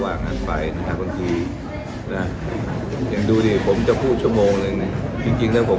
เวลามันก็ได้อยู่ท่อเฟจของคนอื่นงั้นนะครับ